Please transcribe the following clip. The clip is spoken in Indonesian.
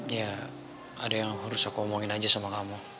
ya ada yang harus aku ngomongin aja sama kamu